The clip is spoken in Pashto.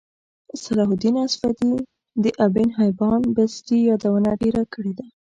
صلاحالدیناصفدی دابنحبانبستيیادونهډیره کړیده